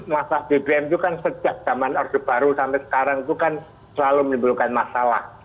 masalah bbm itu kan sejak zaman orde baru sampai sekarang itu kan selalu menimbulkan masalah